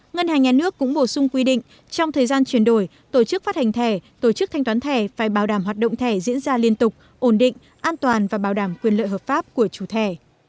ngân hàng nhà nước cũng bổ sung quy định trong thời gian chuyển đổi tổ chức phát hành thẻ tổ chức thanh toán thẻ phải bảo đảm hoạt động thẻ diễn ra liên tục ổn định an toàn và bảo đảm quyền lợi hợp pháp của chủ thẻ